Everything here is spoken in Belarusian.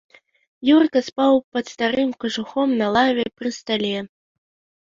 Юрка спаў пад старым кажухом на лаве пры стале.